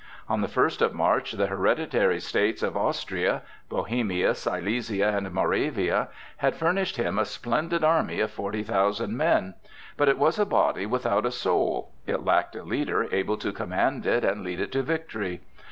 On the first of March the hereditary states of Austria—Bohemia, Silesia, and Moravia—had furnished him a splendid army of forty thousand men. But it was a body without a soul; it lacked a leader able to command it and lead it to victory.